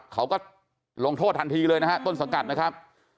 เขาก็ลงโทษทันทีเลยนะฮะต้นสังกัดนะครับ